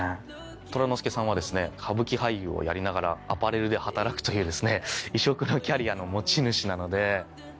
虎之介さんはですね歌舞伎俳優をやりながらアパレルで働くという異色のキャリアの持ち主なので。